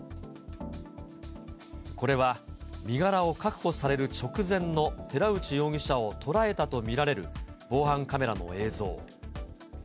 これは身柄を確保される直前の、寺内容疑者を捉えたと見られる防犯カメラの映像。